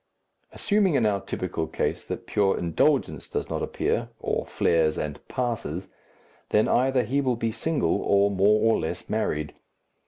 Assuming in our typical case that pure indulgence does not appear or flares and passes, then either he will be single or more or less married.